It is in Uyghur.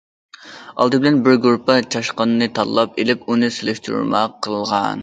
ئالدى بىلەن بىر گۇرۇپپا چاشقاننى تاللاپ ئېلىپ ئۇنى سېلىشتۇرما قىلغان.